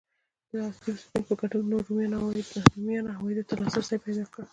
د عادي اوسېدونکو په ګډون نورو رومیانو عوایدو ته لاسرسی پیدا کړ.